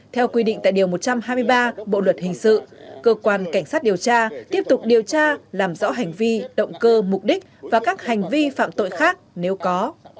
theo quy định tại điều một trăm hai mươi ba bộ luật hình sự cơ quan cảnh sát điều tra tiếp tục điều tra làm rõ hành vi động cơ mục đích và các hành vi phạm tội khác nếu có